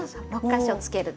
６か所。